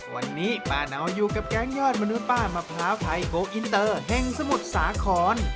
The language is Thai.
วันนี้ป้าเนาอยู่กับแก๊งยอดมนุษย์ป้ามะพร้าวไทยโกอินเตอร์แห่งสมุทรสาคร